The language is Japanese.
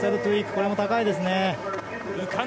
これも高いですね。